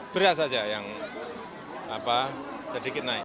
beras saja yang sedikit naik